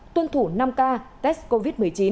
tuân thủ năm k test covid một mươi chín